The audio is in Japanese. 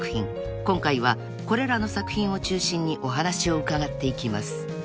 ［今回はこれらの作品を中心にお話を伺っていきます］